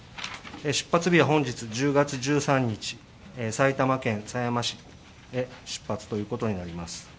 出発日は本日１０月１３日、埼玉県狭山市で出発になります。